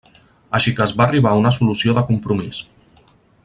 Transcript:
Així que es va arribar a una solució de compromís.